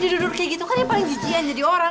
dia dudur kayak gitu kan yang paling jijiknya jadi orang